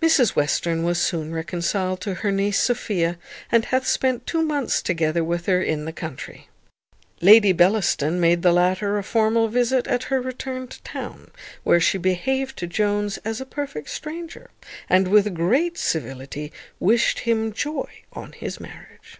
Mrs Western was soon reconciled to her niece Sophia, and hath spent two months together with her in the country. Lady Bellaston made the latter a formal visit at her return to town, where she behaved to Jones as a perfect stranger, and, with great civility, wished him joy on his marriage.